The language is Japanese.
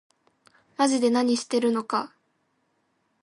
まぢで何してるのか